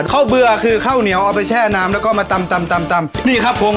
เบื่อคือข้าวเหนียวเอาไปแช่น้ำแล้วก็มาตำตำนี่ครับผม